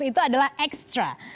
itu adalah ekstra